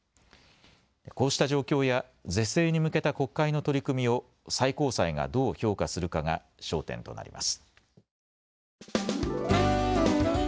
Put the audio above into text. こうした状況や是正に向けた国会の取り組みを最高裁がどう評価するかが焦点となります。